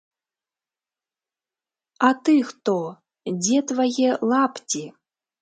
А ты хто, дзе твае лапці?